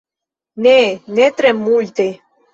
Ne, ne tre multe!